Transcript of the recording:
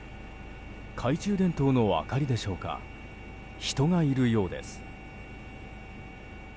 懐中電灯の明かりでしょうか人がいるようです。